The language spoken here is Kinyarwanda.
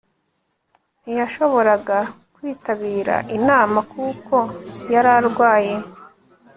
ntiyashoboraga kwitabira inama kuko yari arwaye